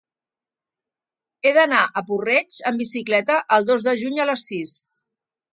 He d'anar a Puig-reig amb bicicleta el dos de juny a les sis.